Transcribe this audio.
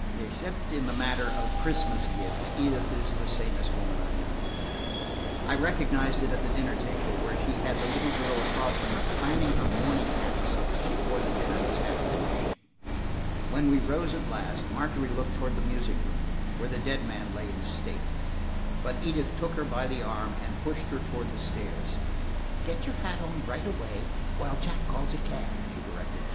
Except in the matter of Christmas gifts, Edith is the sanest woman I know; I recognized it at the dinner table, where she had the little girl across from her planning her mourning hats before the dinner was half finished. When we rose at last, Margery looked toward the music room, where the dead man lay in state. But Edith took her by the arm and pushed her toward the stairs. "Get your hat on right away, while Jack calls a cab," she directed.